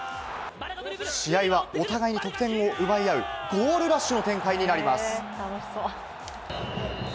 試合はお互いに得点を奪い合うゴールラッシュの展開になります。